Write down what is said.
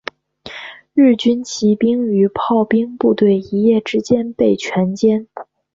日军骑兵与炮兵部队一夜之间被全歼。